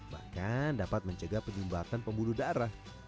bahkan dapat mencegah penyumbatan pembuluh darah